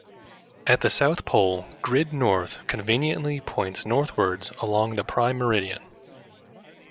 At the South Pole, grid north conventionally points northwards along the Prime Meridian.